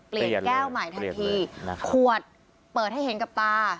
แก้วใหม่ทันทีขวดเปิดให้เห็นกับตา